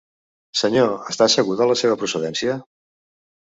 Senyor, està segur de la seva procedència?